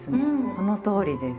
そのとおりです。